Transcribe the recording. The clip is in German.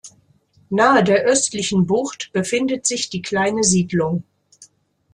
Nahe der östlichen Bucht befindet sich die kleine Siedlung.